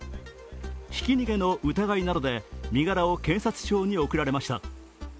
ひき逃げの疑いなどで身柄を検察庁に送られました。